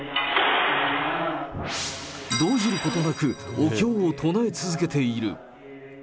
動じることなく、お経を唱え続けている。